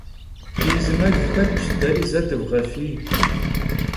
Di zı mel xetş, deri ze dıvğefiy.